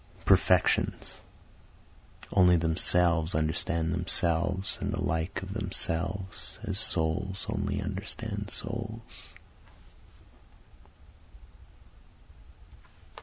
Perfections Only themselves understand themselves and the like of themselves, As souls only understand souls.